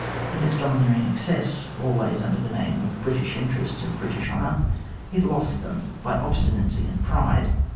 In its domineering excess, always under the name of British interests and British honour, it lost them by obstinacy and pride.